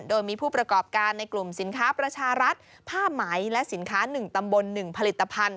โดยมีผู้ประกอบการในกลุ่มสินค้าประชารัฐผ้าไหมและสินค้า๑ตำบล๑ผลิตภัณฑ